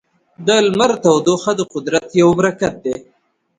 د لمر تودوخه د قدرت یو برکت دی.